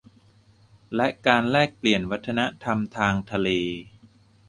และการแลกเปลี่ยนวัฒนธรรมทางทะเล